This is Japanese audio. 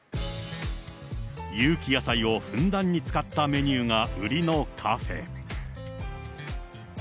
有機野菜をふんだんに使ったメニューが売りのカフェ。